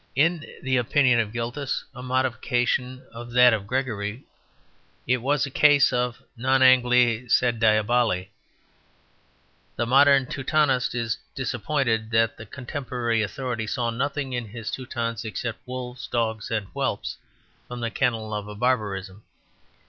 In the opinion of Gildas, a modification of that of Gregory, it was a case of non Angli sed diaboli. The modern Teutonist is "disappointed" that the contemporary authority saw nothing in his Teutons except wolves, dogs, and whelps from the kennel of barbarism.